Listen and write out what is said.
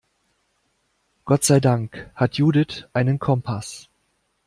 Gott sei Dank hat Judith einen Kompass.